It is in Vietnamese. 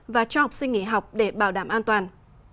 và cho học sinh nghỉ học để bảo đảm an toàn